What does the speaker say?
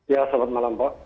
ya selamat malam pak